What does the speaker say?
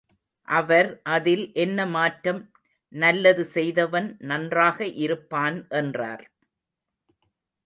அவர் அதில் என்ன மாற்றம் நல்லது செய்தவன் நன்றாக இருப்பான் என்றார்.